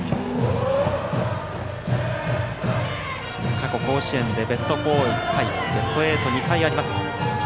過去甲子園でベスト４１回ベスト８、２回あります。